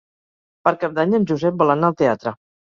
Per Cap d'Any en Josep vol anar al teatre.